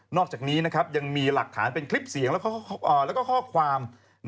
อกจากนี้ยังมีหลักฐานเป็นคลิปเสียงแล้วก็ข้อความ